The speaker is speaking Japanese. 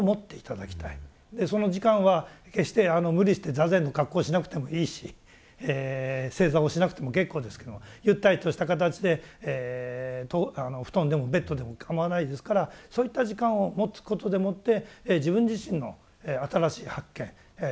でその時間は決して無理して座禅の格好しなくてもいいし正座をしなくても結構ですけどゆったりとした形で布団でもベッドでもかまわないですからそういった時間を持つことでもって自分自身の新しい発見気付き